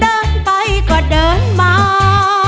เดินไปก็เดินมา